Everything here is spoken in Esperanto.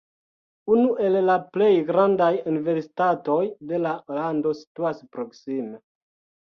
Unu el la plej grandaj universitatoj de la lando situas proksime.